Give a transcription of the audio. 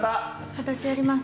私やります。